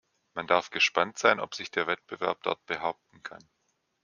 Man darf gespannt sein, ob sich der Wettbewerb dort behaupten kann.